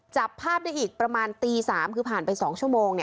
จับภาพได้อีกประมาณตี๓คือผ่านไป๒ชั่วโมง